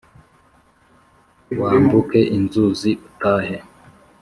wambuke inzuzi utahe